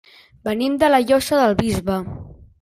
Venim de la Llosa del Bisbe.